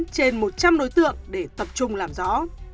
trên một trăm linh đối tượng để tập trung làm rõ